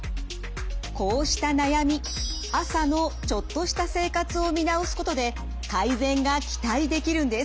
こうした悩み朝のちょっとした生活を見直すことで改善が期待できるんです！